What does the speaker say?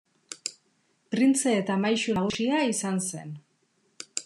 Printze eta Maisu Nagusia izan zen.